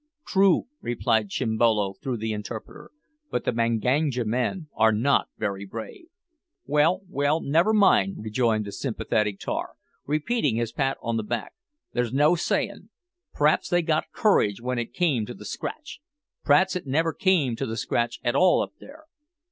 "True," replied Chimbolo, through the interpreter, "but the Manganja men are not very brave." "Well, well, never mind," rejoined the sympathetic tar, repeating his pat on the back, "there's no sayin'. P'raps they got courage w'en it came to the scratch. P'raps it never came to the scratch at all up there.